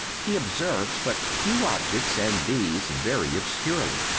He observes but few objects, and these very obscurely.